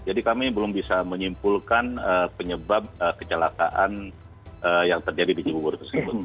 jadi kami belum bisa menyimpulkan penyebab kecelakaan yang terjadi di jumur tersebut